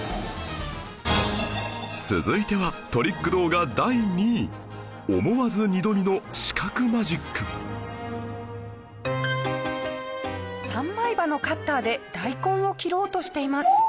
続いてはトリック動画第２位思わず二度見の視覚マジック３枚刃のカッターで大根を切ろうとしています。